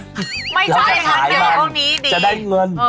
ไม่ใช่อย่างนั้นแหละตรงนี้ดีจะได้เงิน